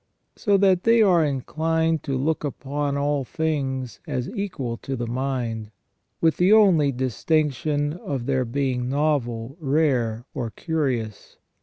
So that they are inclined to look upon all things as equal to the mind, with the only distinc tion of their being novel, rare, or curious.